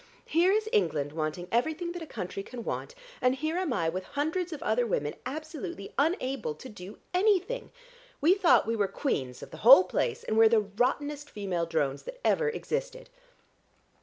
Here is England wanting everything that a country can want, and here am I with hundreds of other women absolutely unable to do anything! We thought we were queens of the whole place, and we're the rottenest female drones that ever existed.